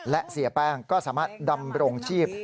และเสียแป้งก็สามารถดำรงชีพ